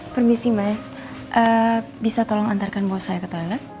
permisi mas bisa tolong antarkan bos saya ke talan